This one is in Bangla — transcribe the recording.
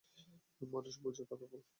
মানুষ বুঝে কথা বল!